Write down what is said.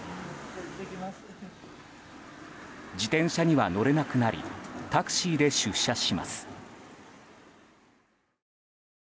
自転車には乗れなくなりタクシーで出社します。